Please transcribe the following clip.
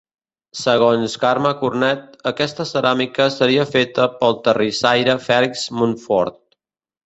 Segons Carme Cornet, aquesta ceràmica seria feta pel terrissaire Fèlix Montfort.